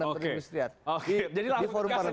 dan perindustrian di forum paranen